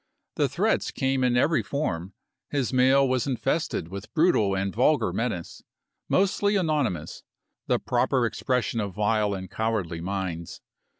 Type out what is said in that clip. The threats came in every form; his mail was infested with brutal and vulgar menace, mostly anonymous, the proper expression of vile and cowardly minds.